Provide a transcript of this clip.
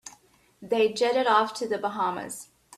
They jetted off to the Bahamas.